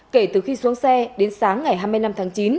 kể từ khi xuống xe đến sáng ngày hai mươi năm tháng chín